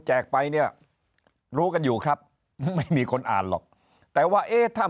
ไปเนี่ยรู้กันอยู่ครับไม่มีคนอ่านหรอกแต่ว่าเอ๊ะถ้า